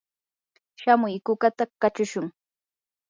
shamuy kukata kachushun.